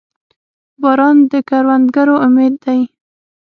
• باران د کروندګرو امید دی.